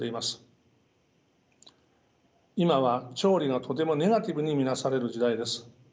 今は調理がとてもネガティブに見なされる時代です。